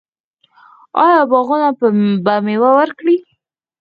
آیا باغونه به میوه ورکړي؟